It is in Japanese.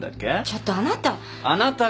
ちょっとあなた。